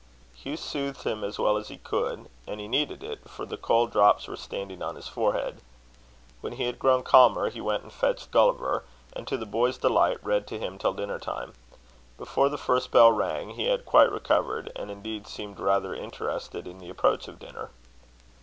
Hugh soothed him as well as he could; and he needed it, for the cold drops were standing on his forehead. When he had grown calmer, he went and fetched Gulliver, and, to the boy's great delight, read to him till dinner time. Before the first bell rang, he had quite recovered, and indeed seemed rather interested in the approach of dinner.